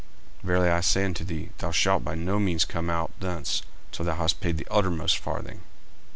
40:005:026 Verily I say unto thee, Thou shalt by no means come out thence, till thou hast paid the uttermost farthing.